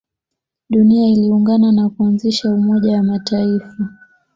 dunia iliungana na kuanzisha umoja wa mataifa